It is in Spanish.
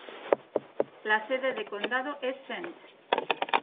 La sede de condado es St.